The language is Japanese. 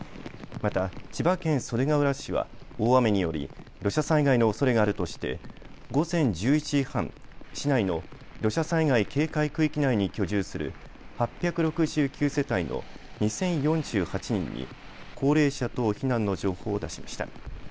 また千葉県袖ケ浦市は大雨により土砂災害のおそれがあるとして午前１１時半、市内の土砂災害警戒区域内に居住する８６９世帯の２０４８人に高齢者等避難の情報を出しました。